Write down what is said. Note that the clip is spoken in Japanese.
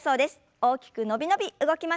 大きく伸び伸び動きましょう。